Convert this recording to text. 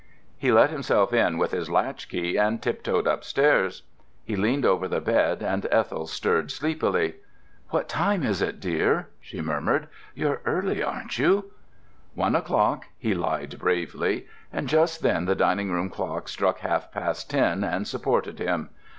He let himself in with his latch key and tiptoed upstairs. He leaned over the bed and Ethel stirred sleepily. "What time is it, dear?" she murmured. "You're early, aren't you?" "One o'clock," he lied bravely—and just then the dining room clock struck half past ten and supported him.